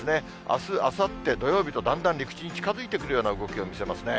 あす、あさって、土曜日と、だんだん陸地に近づいてくるような動きを見せますね。